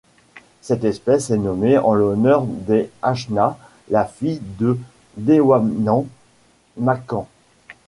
Cette espèce est nommée en l'honneur de Aschna, la fille de Dewanand Makhan.